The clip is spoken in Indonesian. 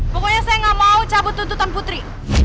pokoknya saya nggak mau cabut tuntutan putri